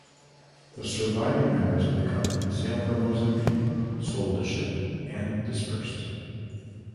The surviving members of the company sailed for Mozambique, sold the ship and dispersed.